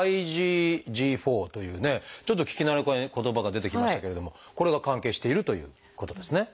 このＩｇＧ４というねちょっと聞き慣れない言葉が出てきましたけれどもこれが関係しているということですね。